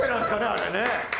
あれね。